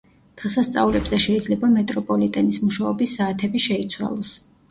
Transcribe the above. დღესასწაულებზე შეიძლება მეტროპოლიტენის მუშაობის საათები შეიცვალოს.